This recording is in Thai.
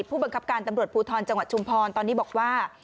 ผู้บังคับการตำรวจภูทรจังหวัดชุมพรตอนนี้บอกว่า